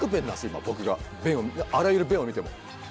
今僕があらゆる便を見ても。